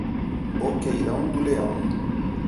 Boqueirão do Leão